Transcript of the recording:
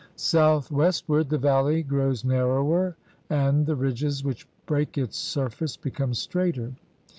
South westward the valley grows narrower, and the ridges which break its surface become straighter.